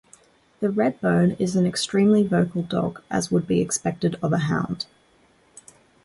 The Redbone is an extremely vocal dog, as would be expected of a hound.